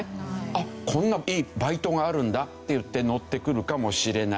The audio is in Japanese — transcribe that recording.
「あっこんないいバイトがあるんだ」っていってのってくるかもしれない。